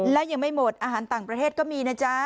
และยังไม่หมดอาหารต่างประเทศก็มีนะจ๊ะ